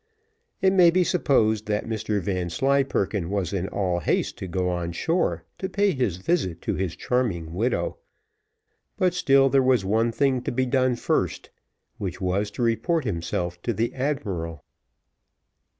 It may be supposed that Mr Vanslyperken was in all haste to go on shore to pay his visit to his charming widow, but still there was one thing to be done first, which was to report himself to the admiral.